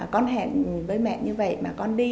con hẹn với mẹ như vậy mà con đi